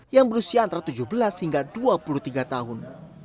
yang berusia antara tujuh belas hingga dua puluh tiga tahun